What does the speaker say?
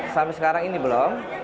sampai sekarang ini belum